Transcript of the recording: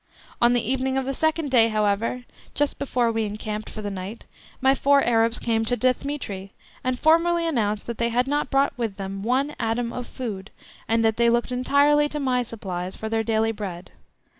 On the evening of the second day, however, just before we encamped for the night, my four Arabs came to Dthemetri, and formally announced that they had not brought with them one atom of food, and that they looked entirely to my supplies for their daily bread.